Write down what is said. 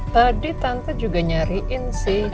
tadi tante juga nyariin sih